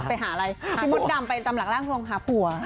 ไปหาอะไรที่มดดำทำหลักหล่างหับหัว